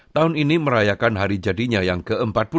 tahun ini merayakan hari jadinya yang ke empat puluh lima